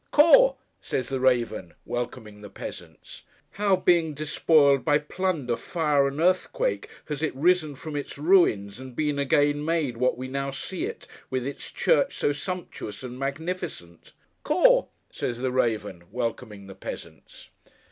'Caw!' says the raven, welcoming the peasants. How, being despoiled by plunder, fire and earthquake, has it risen from its ruins, and been again made what we now see it, with its church so sumptuous and magnificent? 'Caw!' says the raven, welcoming the peasants.